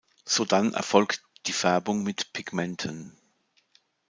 Sodann erfolgt die Färbung mit Pigmenten.